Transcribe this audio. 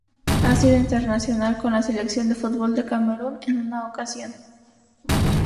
Ha sido internacional con la Selección de fútbol de Camerún en una ocasión.